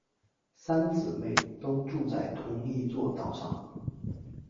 三姊妹都住在同一座岛上。